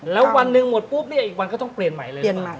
แล้ววันหนึ่งหมดปุ๊บเนี่ยอีกวันก็ต้องเปลี่ยนใหม่เลยเปลี่ยนใหม่